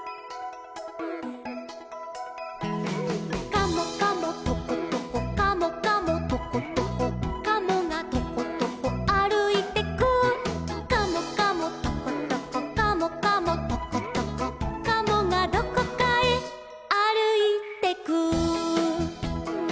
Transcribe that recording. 「カモカモトコトコカモカモトコトコ」「カモがトコトコあるいてく」「カモカモトコトコカモカモトコトコ」「カモがどこかへあるいてく」